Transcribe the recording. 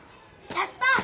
やった！